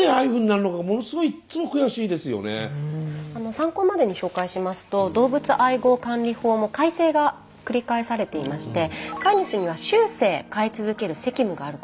参考までに紹介しますと動物愛護管理法も改正が繰り返されていまして飼い主には終生飼い続ける責務があることが明文化されました。